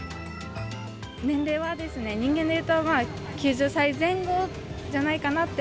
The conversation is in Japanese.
年齢は人間でいうと、９０歳前後じゃないかなって。